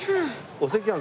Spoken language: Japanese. お赤飯